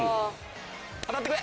当たってくれ。